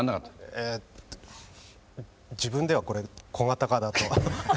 えっと自分ではこれ小型化だと。